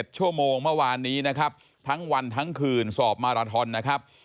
ชั่วโมงเมื่อวานนี้นะครับทั้งวันทั้งคืนสอบมาราทอนนะครับ